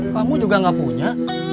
kamu juga gak punya